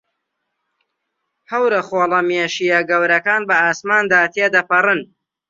هەورە خۆڵەمێشییە گەورەکان بە ئاسماندا تێدەپەڕن.